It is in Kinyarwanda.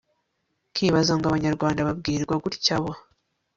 nkibaza ngo abanyarwanda babwirwa gutya bo